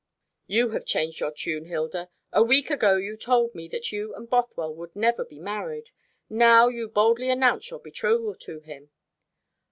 "You have changed your tune, Hilda. A week ago you told me that you and Bothwell would never be married. Now, you boldly announce your betrothal to him."